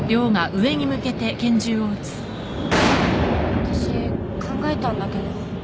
わたし考えたんだけど。